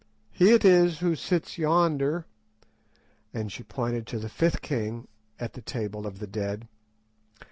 He it is who sits yonder," and she pointed to the fifth king at the table of the Dead.